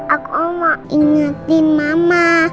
aku mau ingetin mama